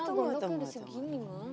tunggu tunggu tunggu